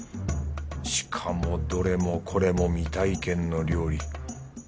しかもどれもこれも未体験の料理。